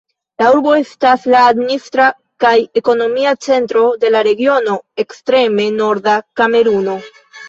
La urbo estas la administra kaj ekonomia centro de la regiono Ekstreme norda Kameruno.